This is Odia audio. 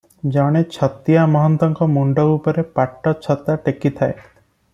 ଜଣେ ଛତିଆ ମହନ୍ତଙ୍କ ମୁଣ୍ଡ ଉପରେ ପାଟ ଛତା ଟେକିଥାଏ ।